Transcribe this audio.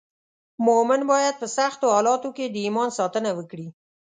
مومن باید په سختو حالاتو کې د ایمان ساتنه وکړي.